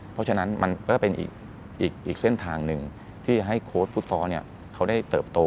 เพราะฉะนั้นมันก็เป็นอีกเส้นทางหนึ่งที่ให้โค้ดฟุตซอลเขาได้เติบโต